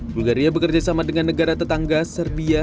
bulgaria bekerjasama dengan negara tetangga serbia